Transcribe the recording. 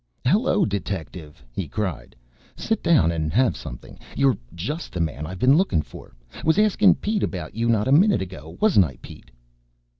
"Hello, detective!" he cried. "Sit down and have something! You're just the man I've been lookin' for. Was askin' Pete about you not a minute ago wasn't I, Pete?"